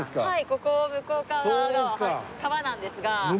ここ向こう側川なんですが隅田川が。